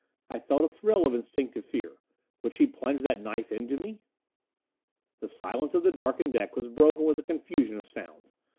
I felt a thrill of instinctive fear would she plunge that knife into me? The silence of the darkened deck was broken with a confusion of sounds.